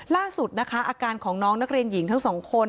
ล่าสุดนะคะอาการของน้องนักเรียนหญิงทั้งสองคน